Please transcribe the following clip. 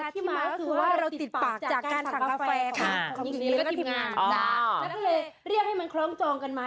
โปรดติดตามตอนต่อไป